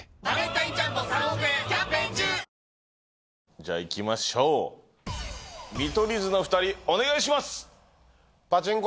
じゃあ行きましょう見取り図の２人お願いします。